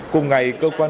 cùng ngày cơ quan